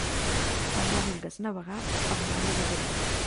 Quan no vulgues navegar, al moll a badallar.